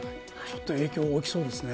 影響は大きそうですね。